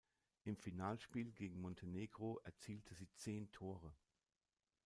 Im Finalspiel gegen Montenegro erzielte sie zehn Tore.